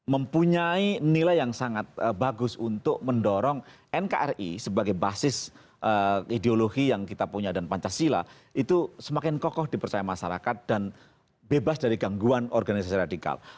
mempunyai nilai yang sangat bagus untuk mendorong nkri sebagai basis ideologi yang kita punya dan pancasila itu semakin kokoh dipercaya masyarakat dan bebas dari gangguan organisasi radikal